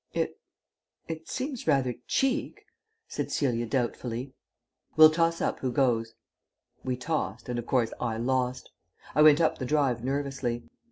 "It it seems rather cheek," said Celia doubtfully. "We'll toss up who goes." We tossed, and of course I lost. I went up the drive nervously.